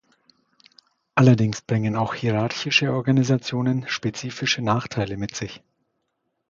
Allerdings bringen auch hierarchische Organisationen spezifische Nachteile mit sich.